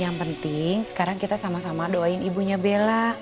yang penting sekarang kita sama sama doain ibunya bella